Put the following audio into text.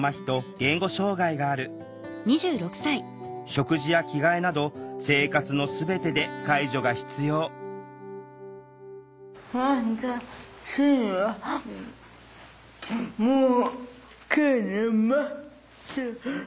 食事や着替えなど生活の全てで介助が必要どうだろう？